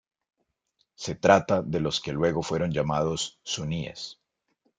Se trata de los que luego fueron llamados suníes.